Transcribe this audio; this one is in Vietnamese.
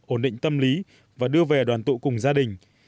ổn định tâm lý và đưa về đoàn tụ cùng gia đình